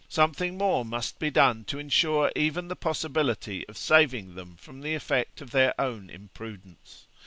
Something more must be done to ensure even the possibility of saving them from the effect of their own imprudence.